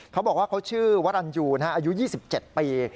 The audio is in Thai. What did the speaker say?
เขาบอกว่าเขาชื่อวรรณยูอายุ๒๗ปี